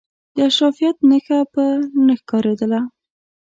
د اشرافیت نخښه پر نه ښکارېدله.